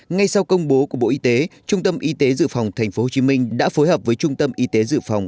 ngay sau công bố của bộ y tế trung tâm y tế dự phòng tp hcm đã phối hợp với trung tâm y tế dự phòng